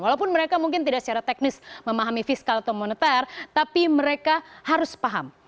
walaupun mereka mungkin tidak secara teknis memahami fiskal atau moneter tapi mereka harus paham